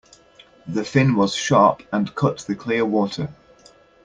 The fin was sharp and cut the clear water.